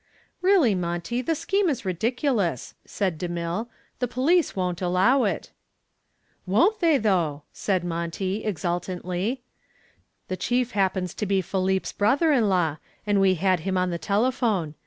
"Really, Monty, the scheme is ridiculous," said DeMille, "the police won't allow it." "Won't they though!" said Monty, exultantly. "The chief happens to be Philippe's brother in law, and we had him on the telephone.